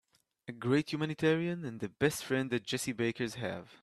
A great humanitarian and the best friend the Jessie Bakers have.